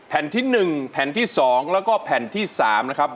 แผ่นที่๑แผ่นที่๒แล้วก็แผ่นที่๓นะครับ